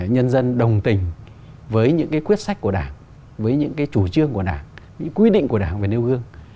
nhân dân đồng tình với những cái quyết sách của đảng với những cái chủ trương của đảng những quy định của đảng về nêu gương